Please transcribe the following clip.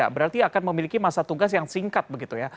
berarti akan memiliki masa tugas yang singkat begitu ya